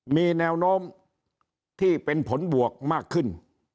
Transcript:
มีแนวโน้มที่เป็นผลบวกมากขึ้น